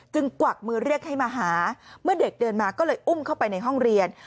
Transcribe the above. กวักมือเรียกให้มาหาเมื่อเด็กเดินมาก็เลยอุ้มเข้าไปในห้องเรียน